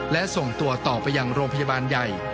และส่งตัวต่อไปยังโรงพยาบาลใหญ่